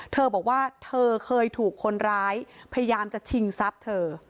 เธอบอกว่าเธอเคยถูกคนร้ายพยายามจะชิงทรัพย์เธอ